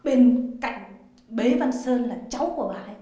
bên cạnh bé văn sơn là cháu của bà ấy